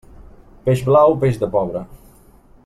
Peix blau, peix de pobre.